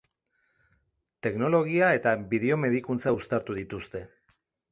Teknologia eta biomedikuntza uztartu dituzte.